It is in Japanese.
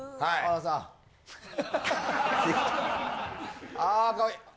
はい。